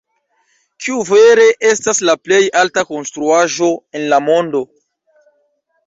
Kiu vere estas la plej alta konstruaĵo en la mondo?